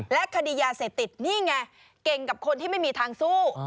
คดียาเสพติดนี่ไงเก่งกับคนที่ไม่มีทางสู้